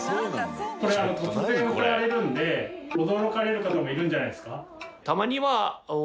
これ突然歌われるので驚かれる方もいるんじゃないですか？